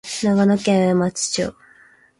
長野県上松町